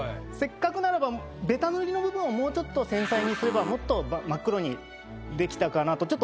せっかくならベタ塗りの部分をもうちょっと繊細にすればもっと真っ黒にできたかなと。